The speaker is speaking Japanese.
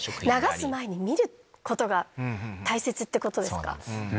流す前に見ることが大切ってことですか。